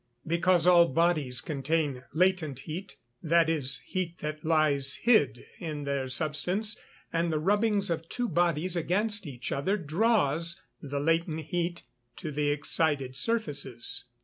_ Because all bodies contain latent heat, that is, heat that lies hid in their substance, and the rubbings of two bodies against each other draws the latent heat to the excited surfaces.